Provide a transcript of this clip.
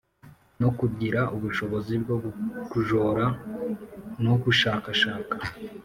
no kugira ubushobozi bwo kujora no gushakashaka